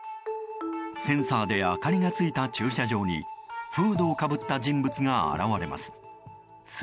センサーで明かりがついた駐車場にフードをかぶった人物が現れます。